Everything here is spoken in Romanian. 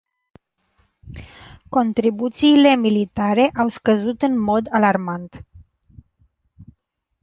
Contribuțiile militare au scăzut în mod alarmant.